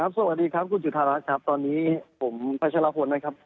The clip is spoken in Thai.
สวัสดีครับคุณจุธารัฐครับตอนนี้ผมพัชรพลนะครับ